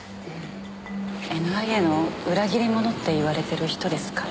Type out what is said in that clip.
ＮＩＡの裏切り者って言われてる人ですから。